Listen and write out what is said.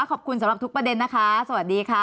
ขอบคุณสำหรับทุกประเด็นนะคะสวัสดีค่ะ